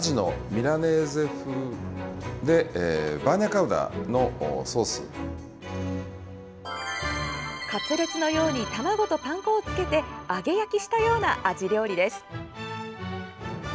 カツレツのように卵とパン粉をつけて揚げ焼きしたようなアジ料理です。